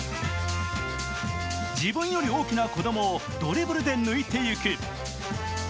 自分より大きな子供をドリブルで抜いていく。